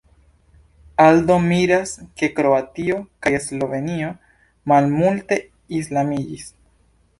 Aldo miras, ke Kroatio kaj Slovenio malmulte islamiĝis.